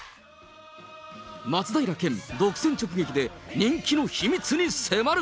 松平健独占直撃で、人気の秘密に迫る。